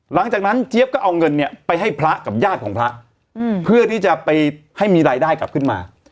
หลังจากนั้นเจี๊ยบก็เอาเงินเนี่ยไปให้พระกับญาติของพระเพื่อที่จะไปให้มีรายได้กลับขึ้นมา